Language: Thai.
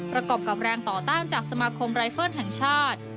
ประกอบกับแรงต่อต้านจากสมาคมไรเฟิลแห่งชาติ